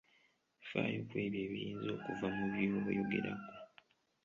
Faayo kwebyo ebiyinza okuva mu by'oyogerako.